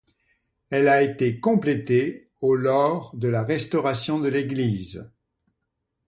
Elle a été complétée au lors de la restauration de l'église.